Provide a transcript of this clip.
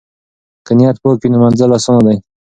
که نیت پاک وي نو منزل اسانه دی.